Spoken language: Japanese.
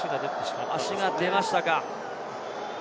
足が出ましたか？